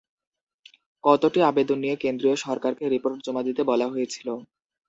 কতটি আবেদন নিয়ে কেন্দ্রীয় সরকারকে রিপোর্ট জমা দিতে বলা হয়েছিল?